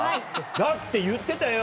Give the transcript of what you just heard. だって、言ってたよ。